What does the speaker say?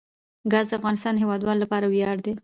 ګاز د افغانستان د هیوادوالو لپاره ویاړ دی.